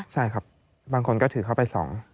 ใช่ครับบางคนก็ถือเข้าไปสอง